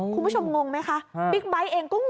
คุณผู้ชมงงไหมคะบิ๊กไบท์เองก็งงค่ะ